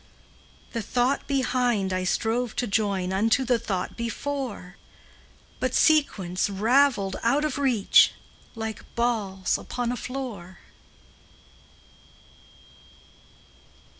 The thought behind I strove to join Unto the thought before, But sequence ravelled out of reach Like balls upon a floor.